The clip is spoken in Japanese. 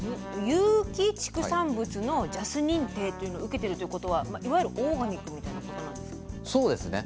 有機畜産物のＪＡＳ認定というのを受けてるっていうことはいわゆるオーガニックみたいなことなんですよね？